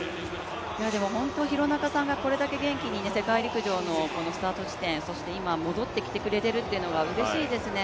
本当、廣中さんがこれだけ元気に世界陸上のスタート地点、そして今、戻ってきてくれているっていうのがうれしいですね。